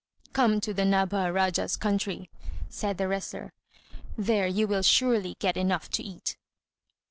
"Come to the Nabha Rájá's country," said the wrestler. "There you will surely get enough to eat."